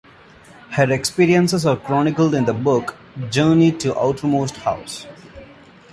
Her experiences are chronicled in the book "Journey to Outermost House".